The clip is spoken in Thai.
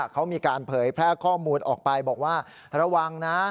เขามีการเผยแพร่ข้อมูลออกไปบอกว่าระวังนะ